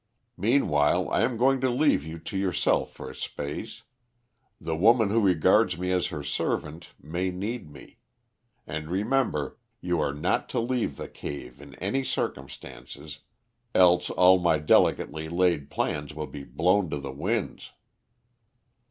"Meanwhile I am going to leave you to yourself for a space. The woman who regards me as her servant may need me. And, remember, you are not to leave the cave in any circumstances, else all my delicately laid plans will be blown to the winds."